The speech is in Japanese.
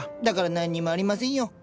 だから何にもありませんよ。